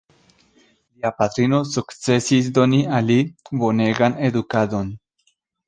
Lia patrino sukcesis doni al li bonegan edukadon.